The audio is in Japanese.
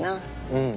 うん。